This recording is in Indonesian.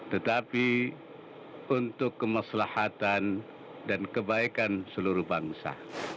tetapi untuk kemaslahatan dan kebaikan seluruh bangsa